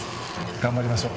頑張りましょう。